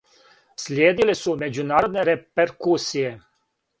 Слиједиле су меđународне реперкусије.